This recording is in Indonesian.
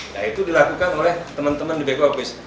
nah itu dilakukan oleh teman teman di bako bus